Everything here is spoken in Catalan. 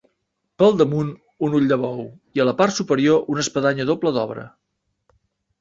Pel damunt un ull de bou i a la part superior una espadanya doble d'obra.